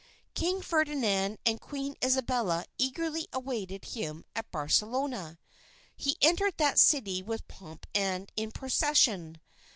King Ferdinand and Queen Isabella eagerly awaited him at Barcelona. He entered that city with pomp and in procession.